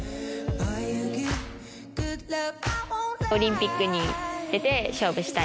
オリンピックに出て勝負したい。